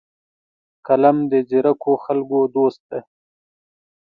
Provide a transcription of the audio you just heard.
قلم د ځیرکو خلکو دوست دی